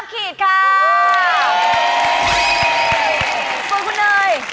สุดคุณเนย